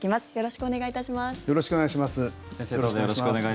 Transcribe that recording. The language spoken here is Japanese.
よろしくお願いします。